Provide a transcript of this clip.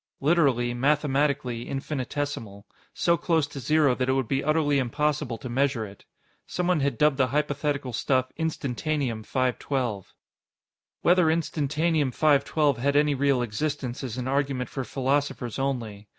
Literally, mathematically, infinitesimal so close to zero that it would be utterly impossible to measure it. Someone had dubbed the hypothetical stuff Instantanium 512. Whether Instantanium 512 had any real existence is an argument for philosophers only.